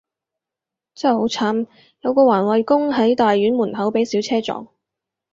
真係好慘，有個環衛工，喺大院門口被小車撞